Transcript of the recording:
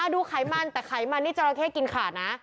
ไขมันแต่ไขมันนี่จราเข้กินขาดนะ